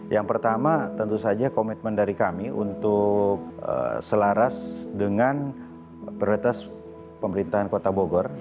yang pertama tentu saja komitmen dari kami untuk selaras dengan prioritas pemerintahan kota bogor